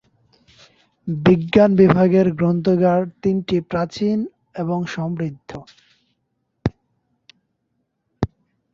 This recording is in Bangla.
বিজ্ঞান বিভাগের পরীক্ষাগার তিনটি প্রাচীন এবং সমৃদ্ধ।